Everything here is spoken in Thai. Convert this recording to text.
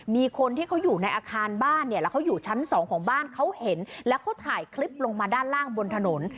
มีคนที่เขาอยู่ในอาคารบ้านเนี่ยแล้วเขาอยู่ชั้นสองของบ้านเขาเห็นแล้วเขาถ่ายคลิปลงมาด้านล่างบนถนน